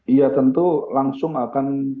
iya tentu langsung akan